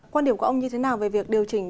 quan điểm của ông như thế nào về việc điều chỉnh